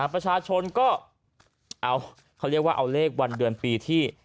ประชาชนก็เอาเขาเรียกว่าเอาเลขวันเดือนปีที่